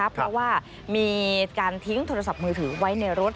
เพราะว่ามีการทิ้งโทรศัพท์มือถือไว้ในรถ